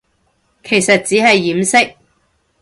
其實只係掩飾